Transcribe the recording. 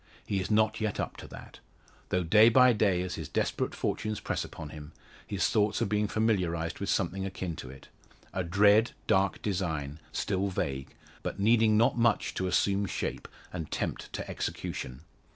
He is not yet up to that; though day by day, as his desperate fortunes press upon him, his thoughts are being familiarised with something akin to it a dread, dark design, still vague, but needing not much to assume shape, and tempt to execution.